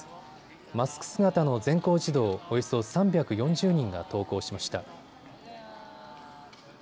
マスク姿の全校児童およそ３４０人が登校しました。